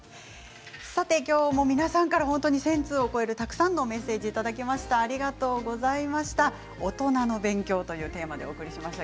きょうも皆さんから１０００通を超える、たくさんのメッセージをいただきました。